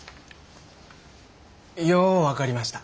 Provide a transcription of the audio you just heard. よう分かりました。